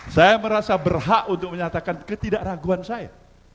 saya merasa berhak untuk menyatakan ketidakraguan saya